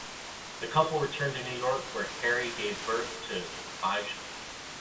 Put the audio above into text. The couple returned to New York, where Carrie gave birth to five children.